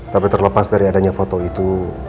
tapi terlepas dari adanya foto itu